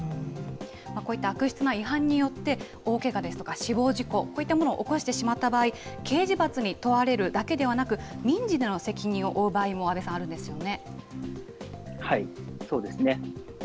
こういった悪質な違反によって、大けがですとか、死亡事故、こういったものを起こしてしまった場合、刑事罰に問われるだけではなく、民事での責任を負う場合も、そうですね。